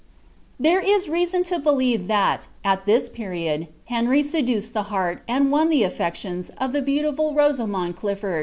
There ia reason m believe ihal, al this period, Henry wthicfd iht heart, and won the aflbclions, of Ihe bcauliful Rosamond CiitTon).